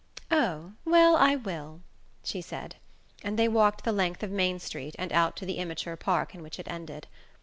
"Oh, well, I will " she said; and they walked the length of Main Street and out to the immature park in which it ended.